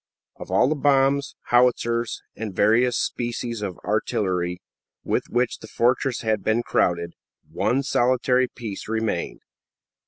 Of all the bombs, howitzers, and various species of artillery with which the fortress had been crowded, one solitary piece remained.